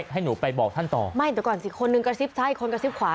ให้หนูไปบอกท่านต่อไม่เดี๋ยวก่อนสิคนนึงกระซิบซ้ายอีกคนกระซิบขวา